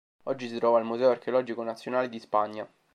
Oggi si trova al Museo archeologico nazionale di Spagna.